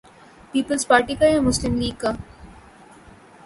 Peoples Party کا یا Muslim League کا؟